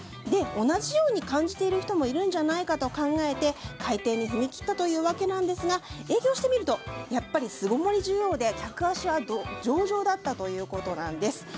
同じように感じている人もいるんじゃないかと考えて開店に踏み切ったというわけなんですが営業してみると巣ごもり需要で客足は上々だったということなんです。